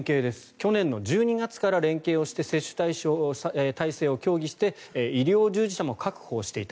去年１２月から連携をして接種体制を協議して医療従事者も確保をしていた。